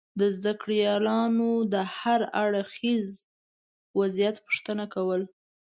د زده کړیالانو دهر اړخیز وضعیت پوښتنه کول